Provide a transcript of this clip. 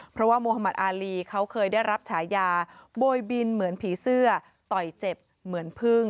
เพราะว่าโมฮามัติอารีเขาเคยได้รับฉายาโบยบินเหมือนผีเสื้อต่อยเจ็บเหมือนพึ่ง